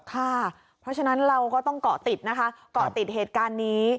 เพราะฉะนั้นเราก็ต้องเกาะติดนะคะเกาะติดเหตุการณ์นี้